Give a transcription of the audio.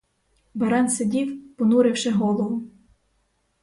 Баран сидів, понуривши голову.